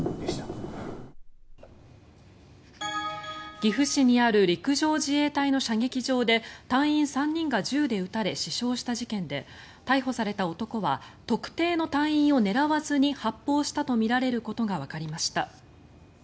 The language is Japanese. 岐阜市にある陸上自衛隊の射撃場で隊員３人が銃で撃たれ死傷した事件で逮捕された男は特定の隊員を狙わずに発砲したとみられることがわかりました。